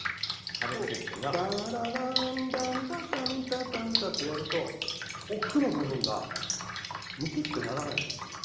タラランタンタタンタタンタってやると奥の部分がむくってならないんですよ。